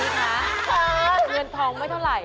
เงินทองไม่เท่าไหร่